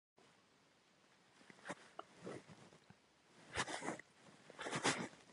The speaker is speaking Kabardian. Pse zı'ut khebleme ğeş'eğuenş hendırabğuexer.